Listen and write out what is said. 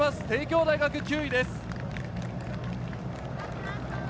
帝京大学、９位です。